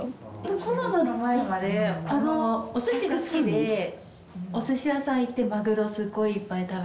コロナの前までおすしが好きでおすし屋さん行ってマグロすっごいいっぱい食べたり。